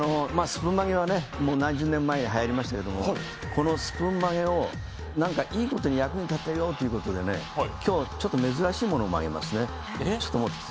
スプーン曲げは何十年前にはやりましたけどこのスプーン曲げを何かいいことに役に立てようということで今日、珍しいものを曲げますね。